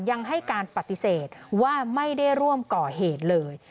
ยังให้การปฏิเสธว่าไม่ได้ร่วมก่อเหตุเลย